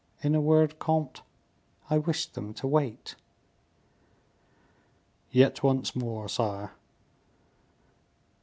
In a word, comte, I wish them to wait." "Yet once more, sire."